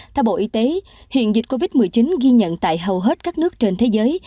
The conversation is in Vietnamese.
theo bộ y tế hiện dịch covid một mươi chín ghi nhận tại hầu hết các nước trên thế giới